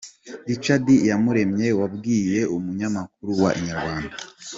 Richard Iyaremye wabwiye umunyamakuru wa Inyarwanda.